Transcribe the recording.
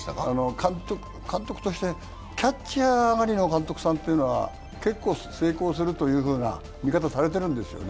監督としてキャッチャー上がりの監督さんっていうのは結構成功するという見方されてるんですよね。